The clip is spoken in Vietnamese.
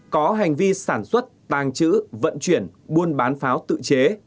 có hành vi sản xuất tàng trữ vận chuyển buôn bán pháo tự chế